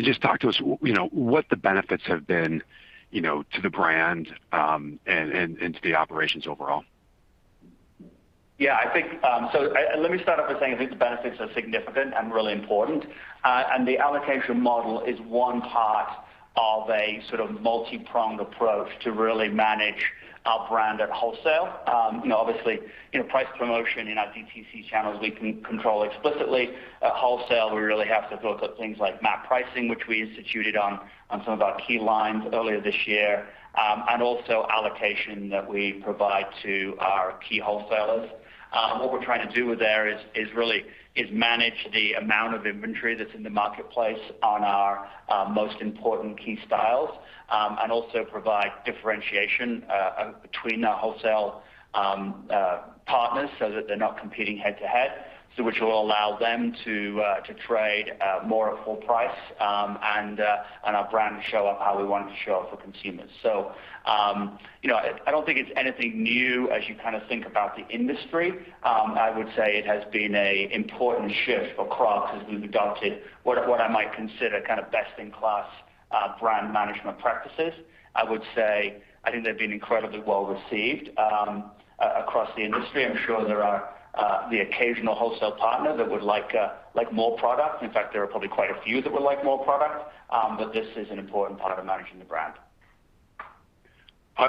Just talk to us, what the benefits have been to the brand and to the operations overall? Let me start off by saying I think the benefits are significant and really important. The allocation model is one part of a sort of multipronged approach to really manage our brand at wholesale. Obviously, in a price promotion in our DTC channels, we can control explicitly. At wholesale, we really have to look at things like MAP pricing, which we instituted on some of our key lines earlier this year, and also allocation that we provide to our key wholesalers. What we're trying to do there is really manage the amount of inventory that's in the marketplace on our most important key styles, and also provide differentiation between our wholesale partners so that they're not competing head-to-head, which will allow them to trade more at full price and our brand to show up how we want it to show up for consumers. I don't think it's anything new as you kind of think about the industry. I would say it has been an important shift for Crocs as we've adopted what I might consider best-in-class brand management practices. I would say, I think they've been incredibly well-received across the industry. I'm sure there are the occasional wholesale partner that would like more product. In fact, there are probably quite a few that would like more product, but this is an important part of managing the brand.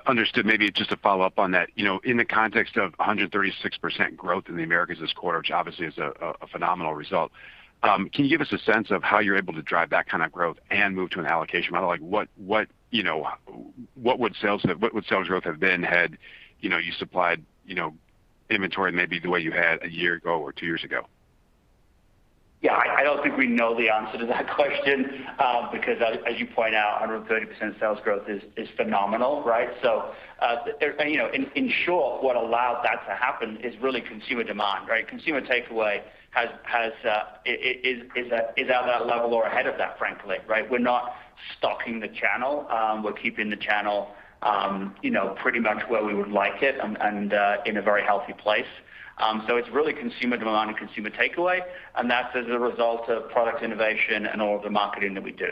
Understood. Maybe just to follow-up on that. In the context of 136% growth in the Americas this quarter, which obviously is a phenomenal result, can you give us a sense of how you're able to drive that kind of growth and move to an allocation model? What would sales growth have been had you supplied inventory maybe the way you had a year ago or two years ago? Yeah, I don't think we know the answer to that question because as you point out, 130% sales growth is phenomenal, right? In short, what allowed that to happen is really consumer demand, right? Consumer takeaway is at that level or ahead of that, frankly, right? We're not stocking the channel. We're keeping the channel pretty much where we would like it and in a very healthy place. It's really consumer demand and consumer takeaway, and that's as a result of product innovation and all of the marketing that we do.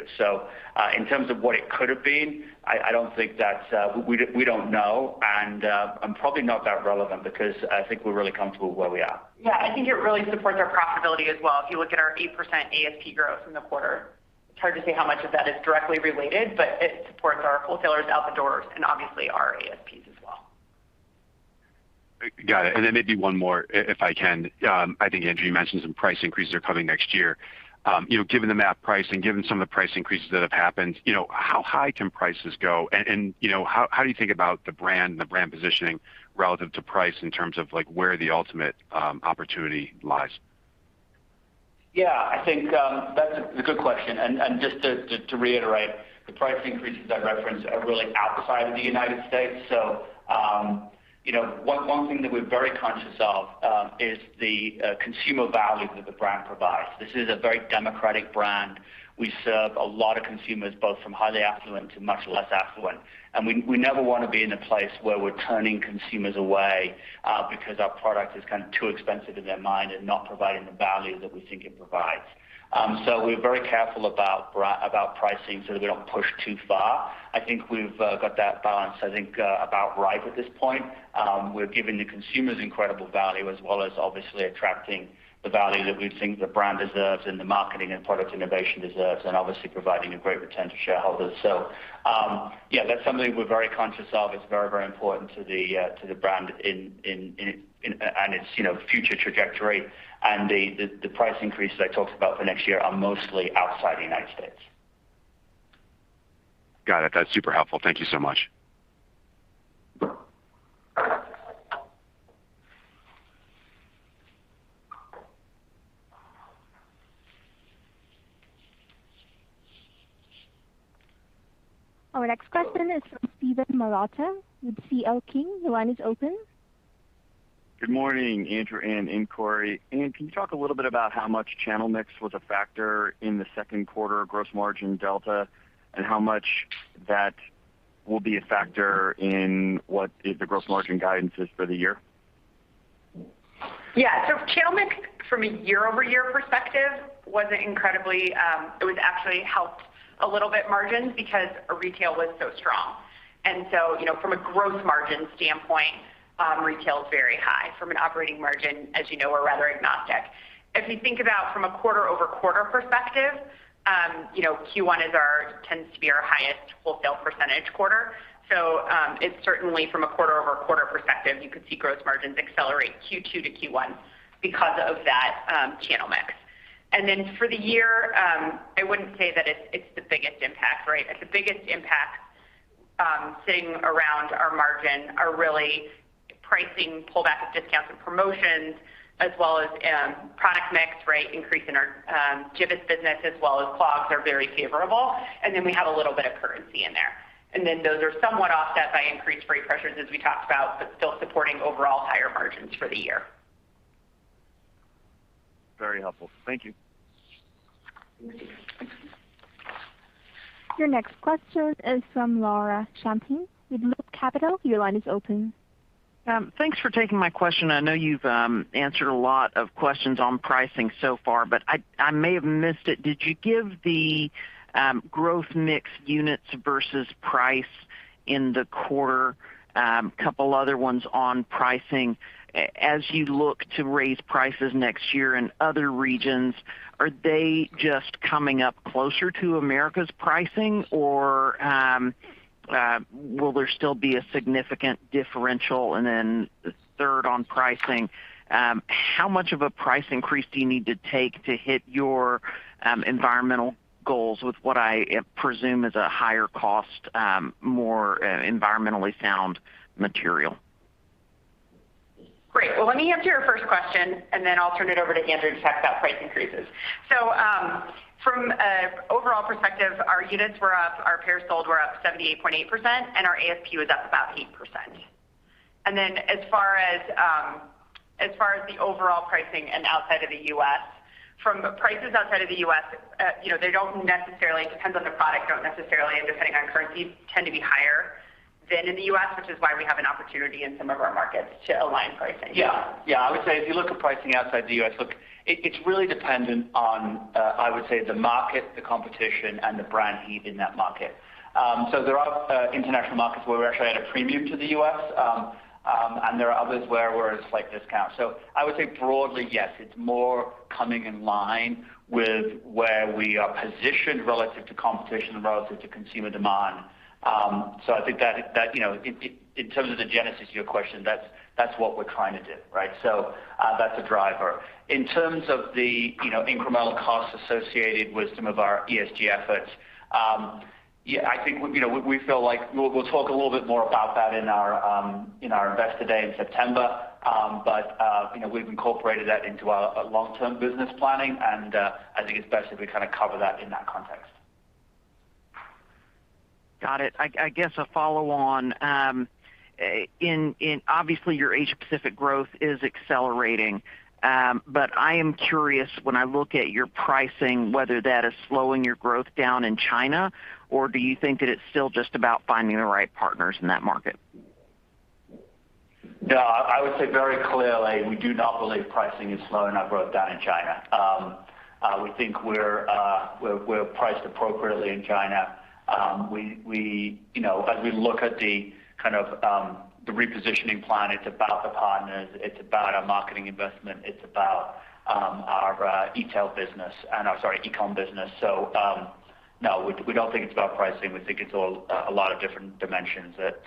In terms of what it could have been, we don't know, and probably not that relevant because I think we're really comfortable where we are. Yeah, I think it really supports our profitability as well. If you look at our 8% ASP growth in the quarter, it's hard to say how much of that is directly related, but it supports our wholesalers out the doors and obviously our ASPs as well. Got it. Maybe one more if I can. I think, Andrew, you mentioned some price increases are coming next year. Given the MAP price and given some of the price increases that have happened, how high can prices go? How do you think about the brand and the brand positioning relative to price in terms of where the ultimate opportunity lies? Yeah, I think that's a good question. Just to reiterate, the price increases I referenced are really outside of the U.S. One thing that we're very conscious of is the consumer value that the brand provides. This is a very democratic brand. We serve a lot of consumers, both from highly affluent to much less affluent, and we never want to be in a place where we're turning consumers away because our product is kind of too expensive in their mind and not providing the value that we think it provides. We're very careful about pricing so that we don't push too far. I think we've got that balance, I think about right at this point. We're giving the consumers incredible value as well as obviously attracting the value that we think the brand deserves and the marketing and product innovation deserves and obviously providing a great return to shareholders. Yeah, that's something we're very conscious of. It's very, very important to the brand and its future trajectory. The price increases I talked about for next year are mostly outside the U.S. Got it. That's super helpful. Thank you so much. Our next question is from Steven Marotta with C.L. King. The line is open. Good morning, Andrew, Anne and Cori. Anne, can you talk a little bit about how much channel mix was a factor in the Q2 gross margin delta, and how much that will be a factor in what the gross margin guidance is for the year? Yeah. Channel mix from a year-over-year perspective, it actually helped a little bit margins because retail was so strong. From a gross margin standpoint, retail is very high. From an operating margin, as you know, we're rather agnostic. If we think about from a quarter-over-quarter perspective, Q1 tends to be our highest wholesale percentage quarter. It's certainly from a quarter-over-quarter perspective, you could see gross margins accelerate Q2 to Q1 because of that channel mix. For the year, I wouldn't say that it's the biggest impact, right? The biggest impact sitting around our margin are really pricing pullbacks of discounts and promotions as well as product mix, right? Increase in our Jibbitz business as well as clogs are very favorable, and then we have a little bit of currency in there. Those are somewhat offset by increased freight pressures as we talked about, but still supporting overall higher margins for the year. Very helpful. Thank you. Your next question is from Laura Champine with Loop Capital. Your line is open. Thanks for taking my question. I know you've answered a lot of questions on pricing so far, but I may have missed it. Did you give the growth mix units versus price in the quarter? Couple other ones on pricing. As you look to raise prices next year in other regions, are they just coming up closer to America's pricing, or will there still be a significant differential? The third on pricing, how much of a price increase do you need to take to hit your environmental goals with what I presume is a higher cost, more environmentally sound material? Great. Well, let me answer your first question, and then I'll turn it over to Andrew to talk about price increases. From an overall perspective, our units were up, our pairs sold were up 78.8%, and our ASP was up about 8%. Then as far as the overall pricing and outside of the U.S., from prices outside of the U.S., it depends on the product, and depending on currency, tend to be higher than in the U.S., which is why we have an opportunity in some of our markets to align pricing. I would say if you look at pricing outside the U.S., look, it's really dependent on, I would say, the market, the competition, and the brand heat in that market. There are international markets where we actually add a premium to the U.S., and there are others where we're a slight discount. I would say broadly, yes, it's more coming in line with where we are positioned relative to competition and relative to consumer demand. I think that in terms of the genesis of your question, that's what we're trying to do. Right? That's a driver. In terms of the incremental costs associated with some of our ESG efforts, we'll talk a little bit more about that in our Investor Day in September. We've incorporated that into our long-term business planning, and I think it's best if we cover that in that context. Got it. I guess a follow-on. Obviously, your Asia-Pacific growth is accelerating. I am curious when I look at your pricing, whether that is slowing your growth down in China, or do you think that it's still just about finding the right partners in that market? I would say very clearly, we do not believe pricing is slowing our growth down in China. We think we're priced appropriately in China. As we look at the repositioning plan, it's about the partners, it's about our marketing investment, it's about our e-tail business, sorry, e-com business. No, we don't think it's about pricing. We think it's a lot of different dimensions that,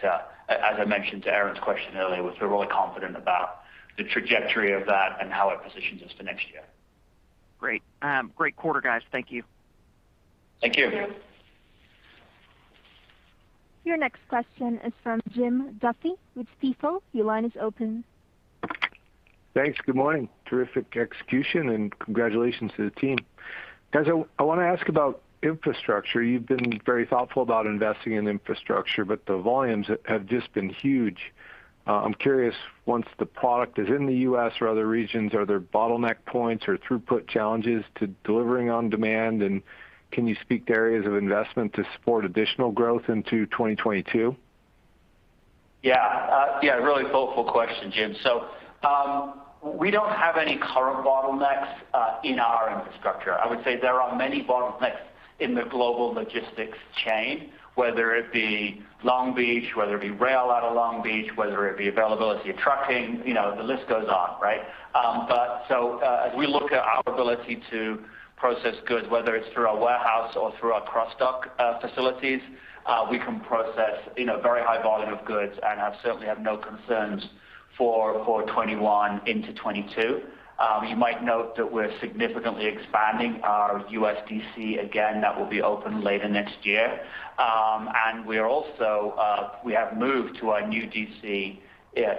as I mentioned to Erinn's question earlier, we feel really confident about the trajectory of that and how it positions us for next year. Great. Great quarter, guys. Thank you. Thank you. Your next question is from Jim Duffy with Stifel. Your line is open. Thanks. Good morning. Terrific execution, and congratulations to the team. Guys, I want to ask about infrastructure. You've been very thoughtful about investing in infrastructure, but the volumes have just been huge. I'm curious, once the product is in the U.S. or other regions, are there bottleneck points or throughput challenges to delivering on demand? Can you speak to areas of investment to support additional growth into 2022? Really thoughtful question, Jim. We don't have any current bottlenecks in our infrastructure. I would say there are many bottlenecks in the global logistics chain, whether it be Long Beach, whether it be rail out of Long Beach, whether it be availability of trucking, the list goes on. Right? As we look at our ability to process goods, whether it's through our warehouse or through our cross-dock facilities, we can process very high volume of goods and certainly have no concerns for 2021 into 2022. You might note that we're significantly expanding our U.S. DC again, that will be open later next year. We have moved to our new DC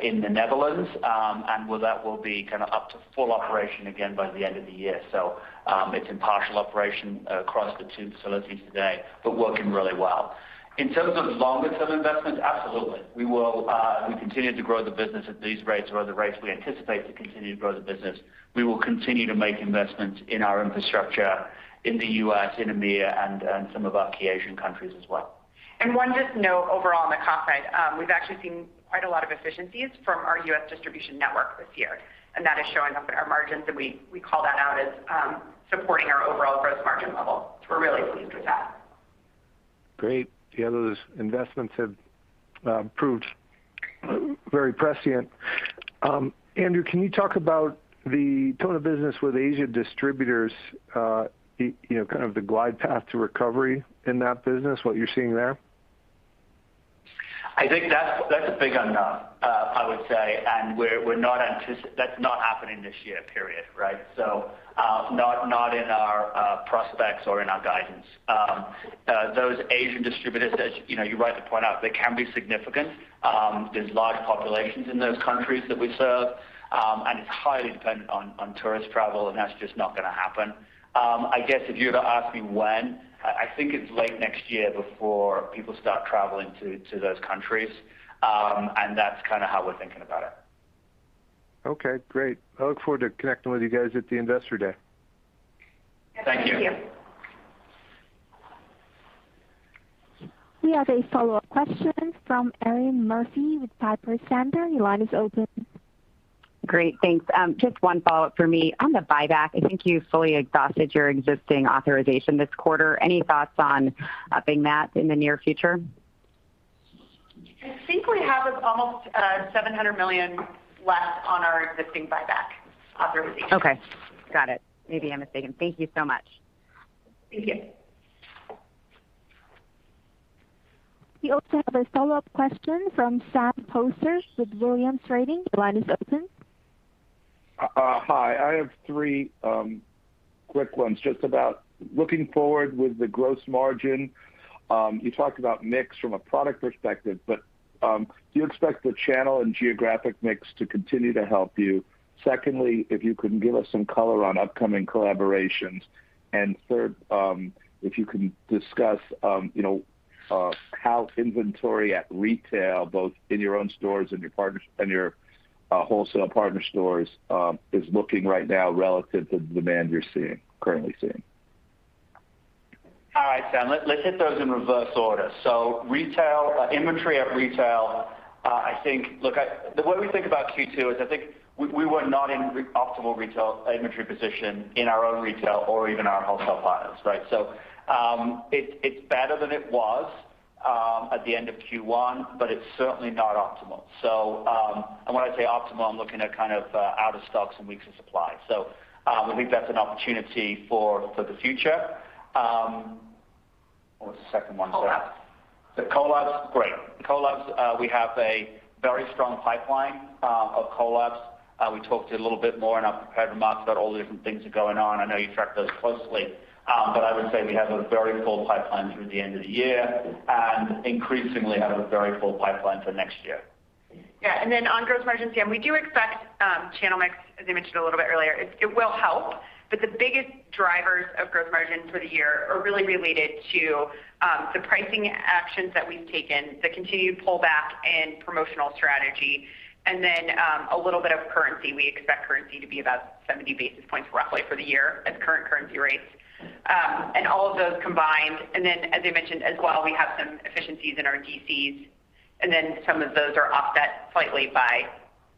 in the Netherlands, and well, that will be up to full operation again by the end of the year. It's in partial operation across the two facilities today, but working really well. In terms of longer-term investments, absolutely. We continue to grow the business at these rates or other rates we anticipate to continue to grow the business. We will continue to make investments in our infrastructure in the U.S., in EMEA, and some of our key Asian countries as well. One just note overall on the cost side. We've actually seen quite a lot of efficiencies from our U.S. distribution network this year, and that is showing up in our margins, and we call that out as supporting our overall gross margin level. We're really pleased with that. Great. Yeah, those investments have proved very prescient. Andrew, can you talk about the tone of business with Asia distributors, kind of the glide path to recovery in that business, what you're seeing there? I think that's a big unknown, I would say, and that's not happening this year, period. Right? Not in our prospects or in our guidance. Those Asian distributors, as you rightly point out, they can be significant. There's large populations in those countries that we serve. It's highly dependent on tourist travel, and that's just not gonna happen. I guess if you were to ask me when, I think it's late next year before people start traveling to those countries. That's how we're thinking about it. Okay, great. I look forward to connecting with you guys at the Investor Day. Thank you. We have a follow-up question from Erinn Murphy with Piper Sandler. Your line is open. Great. Thanks. Just one follow-up for me. On the buyback, I think you fully exhausted your existing authorization this quarter. Any thoughts on upping that in the near future? I think we have almost $700 million left on our existing buyback authorization. Okay. Got it. Maybe I'm mistaken. Thank you so much. Thank you. We also have a follow-up question from Sam Poser with Williams Trading. Your line is open. Hi. I have three quick ones just about looking forward with the gross margin. You talked about mix from a product perspective, but do you expect the channel and geographic mix to continue to help you? Secondly, if you can give us some color on upcoming collaborations. Third, if you can discuss how inventory at retail, both in your own stores and your wholesale partner stores, is looking right now relative to the demand you're currently seeing. All right, Sam. Let's hit those in reverse order. Inventory at retail, the way we think about Q2 is, I think we were not in optimal retail inventory position in our own retail or even our wholesale partners, right? It's better than it was at the end of Q1, but it's certainly not optimal. When I say optimal, I'm looking at out of stocks and weeks of supply. We believe that's an opportunity for the future. What was the second one? The collabs. Great. Collabs. We have a very strong pipeline of collabs. We talked a little bit more in our prepared remarks about all the different things that are going on. I know you track those closely. I would say we have a very full pipeline through the end of the year, and increasingly have a very full pipeline for next year. Yeah. On gross margins, Sam, we do expect channel mix, as I mentioned a little bit earlier, it will help. The biggest drivers of gross margin for the year are really related to the pricing actions that we've taken, the continued pullback in promotional strategy, and then a little bit of currency. We expect currency to be about 70 basis points roughly for the year at current currency rates. All of those combined. As I mentioned as well, we have some efficiencies in our DCs, some of those are offset slightly by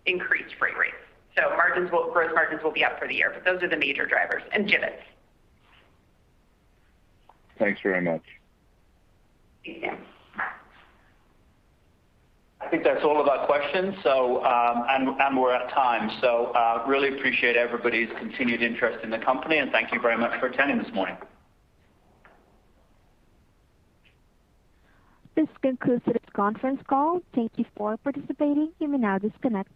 increased freight rates. Gross margins will be up for the year, but those are the major drivers, and Jibbitz. Thanks very much. I think that's all of our questions, and we're at time. Really appreciate everybody's continued interest in the company, and thank you very much for attending this morning. This concludes today's conference call. Thank you for participating. You may now disconnect.